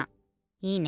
いいね。